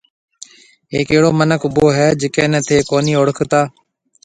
هيڪ اهڙو مِنک اُڀو هيَ جڪَي نَي ٿَي ڪونهي اوݪکتا۔